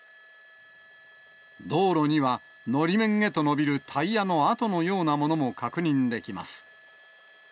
道路には、のり面へと伸びるタイヤの跡のようなものも確認できます。